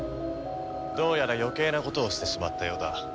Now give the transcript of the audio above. どうやら余計なことをしてしまったようだ。